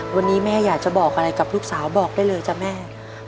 วันนี้แม่อยากจะบอกอะไรกับลูกสาวบอกได้เลยจ้ะแม่